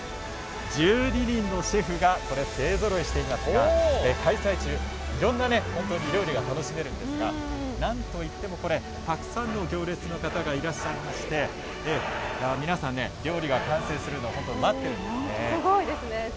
１２人のシェフが勢ぞろいしていますが開催中、いろんな料理が楽しめるんですがなんといってもたくさんの行列の方がいらっしゃいまして皆さん、料理が完成するのを待っているんですね。